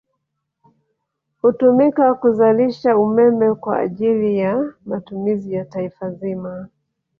Hutumika kuzalisha umeme kwa ajili ya matumizi ya Taifa zima